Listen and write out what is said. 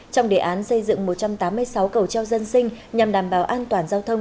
trong đề án xây dựng một trăm tám mươi sáu cầu treo dân sinh nhằm đảm bảo an toàn giao thông